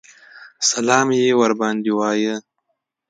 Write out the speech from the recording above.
سلام یې ورباندې وایه.